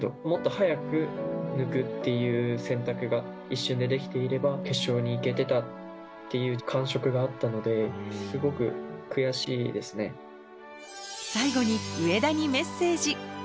もっと早く抜くっていう選択が一瞬でできていれば、決勝にいけてたっていう感触があったので、最後に、上田にメッセージ。